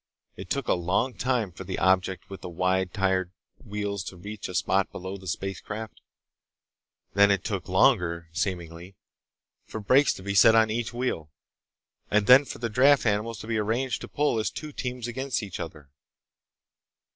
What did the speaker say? It took a long time for the object with the wide tired wheels to reach a spot below the spacecraft. Then it took longer, seemingly, for brakes to be set on each wheel, and then for the draught animals to be arranged to pull as two teams against each other.